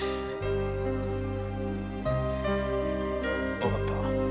分かった。